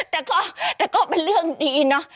แต่ก็แต่ก็เป็นเรื่องดีน่ะ